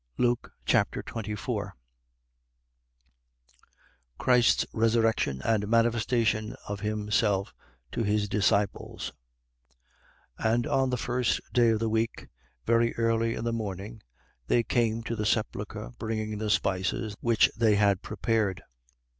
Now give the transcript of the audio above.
Luke Chapter 24 Christ's resurrection and manifestation of himself to his disciples. 24:1. And on the first day of the week, very early in the morning, they came to the sepulchre, bringing the spices which they had prepared.